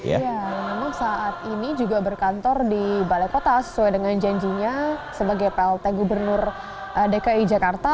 ya memang saat ini juga berkantor di balai kota sesuai dengan janjinya sebagai plt gubernur dki jakarta